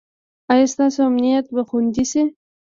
ایا ستاسو امنیت به خوندي شي؟